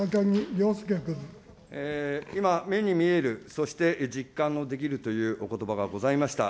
今、目に見える、そして実感のできるというおことばがございました。